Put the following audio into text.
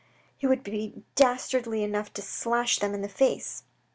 " He would be dastardly enough to slash them in the face."